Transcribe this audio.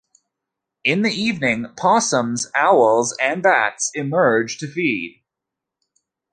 In the evening possums, owls and bats emerge to feed.